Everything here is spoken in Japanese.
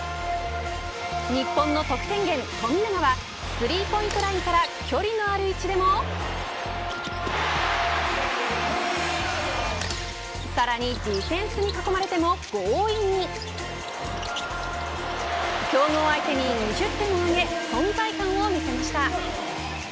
日本の得点源、富永はスリーポイントラインから距離がある位置でもさらにディフェンスに囲まれても強引に強豪相手に２０点を挙げ存在感を見せました。